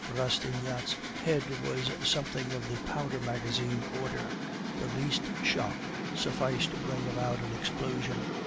Rastignac's head was something of the powder magazine order; the least shock sufficed to bring about an explosion.